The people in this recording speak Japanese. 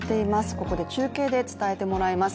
ここで中継で伝えてもらいます。